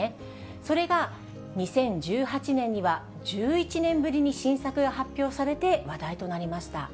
それが２０１８年には１１年ぶりに新作が発表されて話題となりました。